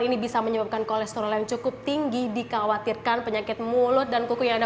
ini bisa menyebabkan kolesterol yang cukup tinggi dikhawatirkan penyakit mulut dan kuku yang ada